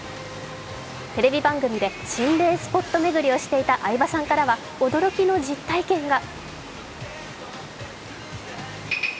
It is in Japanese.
テレビ番組で心霊スポット巡りをしていた相葉さんからは驚きの実体験が。